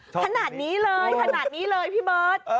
ขนาดนี้เลยขนาดนี้เลยพี่เบิร์ต